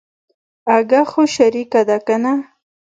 اگه خو شريکه ده کنه.